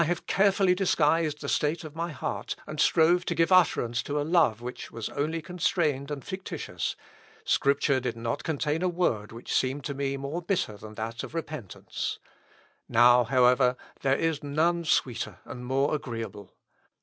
"Hitherto," exclaims he, "though I carefully disguised the state of my heart, and strove to give utterance to a love which was only constrained and fictitious, Scripture did not contain a word which seemed to me more bitter than that of repentance. Now, however, there is none sweeter and more agreeable.